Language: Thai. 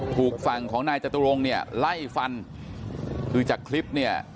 ถูกฝั่งของนายจตุรงเนี่ยไล่ฟันคือจากคลิปเนี่ย